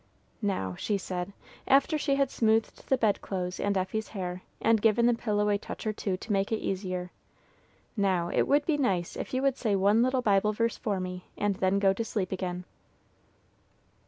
"Now," she said, after she had smoothed the bed clothes and Effie's hair, and given the pillow a touch or two to make it easier, "now, it would be nice if you would say one little Bible verse for me, and then go to sleep again."